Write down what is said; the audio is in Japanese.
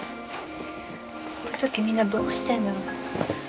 こういう時みんなどうしてんだろ？